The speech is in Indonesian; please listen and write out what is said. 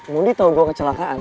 mondi tau gue kecelakaan